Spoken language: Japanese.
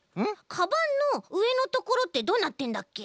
かばんのうえのところってどうなってるんだっけ？